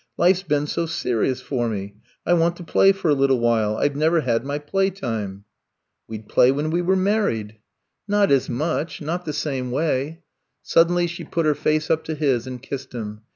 Life 's been so serious for me. I want to play for a little while. I 've never had my playtime. '' We 'd play when we were married.'' I'VE COME TO STAY 117 "Not as much — not the same way.'' Suddenly she put her face up to his and kissed him.